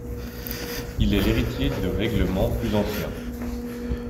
Il est l'héritier de règlements plus anciens.